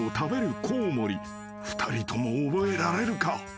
［２人とも覚えられるか？］